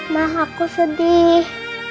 ma aku sedih